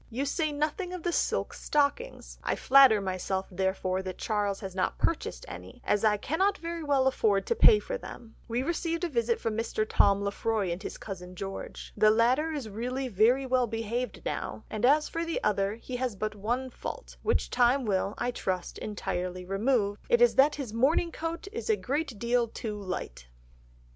You say nothing of the silk stockings, I flatter myself therefore that Charles has not purchased any, as I cannot very well afford to pay for them.... We received a visit from Mr. Tom Lefroy and his cousin George. The latter is really very well behaved now, and as for the other he has but one fault, which time will, I trust, entirely remove, it is that his morning coat is a great deal too light."